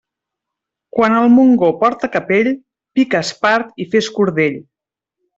Quan el Montgó porta capell, pica espart i fes cordell.